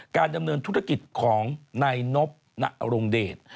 การดำเนินธุรกิจของนายนบนรงเดช